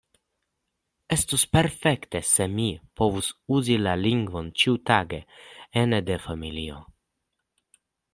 Estus perfekte se mi povus uzi la lingvon ĉiutage ene de familio.